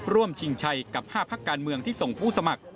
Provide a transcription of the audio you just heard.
ชิงชัยกับ๕พักการเมืองที่ส่งผู้สมัคร